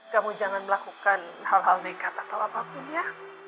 kamu jangan melakukan hal hal nekat atau apapun ya